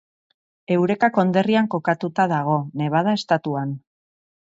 Eureka konderrian kokatuta dago, Nevada estatuan.